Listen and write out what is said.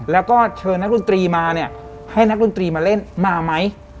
แล้วก็เชิญนักดนตรีมาเนี่ยให้นักดนตรีมาเล่นมาไหม